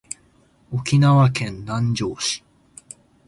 沖縄県南城市